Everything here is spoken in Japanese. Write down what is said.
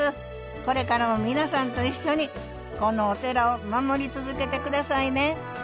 これからも皆さんと一緒にこのお寺を守り続けて下さいね。